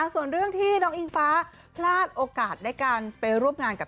ส่วนเรื่องที่น้องอิงฟ้าพลาดโอกาสได้การไปร่วมงานกับ